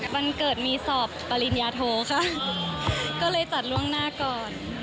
วันเกิดมีสอบปริญญาโทค่ะก็เลยจัดล่วงหน้าก่อน